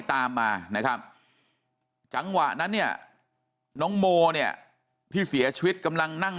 ตามมานะครับจังหวะนั้นเนี่ยน้องโมเนี่ยที่เสียชีวิตกำลังนั่ง